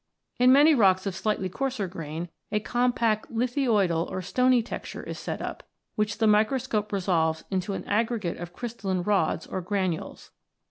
In many rocks of slightly coarser grain, a compact lithoidal or stony texture is set up, which the microscope resolves into an aggregate of crystalline rods or granules.